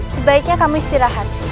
sebaiknya kamu istirahat